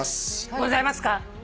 ございますか。